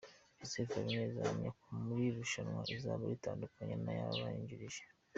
Joseph Habineza ahamya ko muri rushanwa rizaba ritandukanye n'ayaribanjiririje.